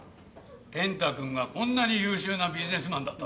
健太君がこんなに優秀なビジネスマンだったとは。